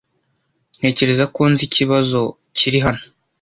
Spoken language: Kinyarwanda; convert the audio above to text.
Ntekereza ko nzi ikibazo kiri hano.